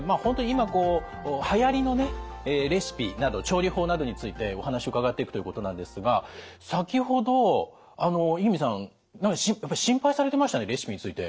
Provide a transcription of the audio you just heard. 今はやりのレシピなど調理法などについてお話伺っていくということなんですが先ほど五十君さん心配されてましたねレシピについて。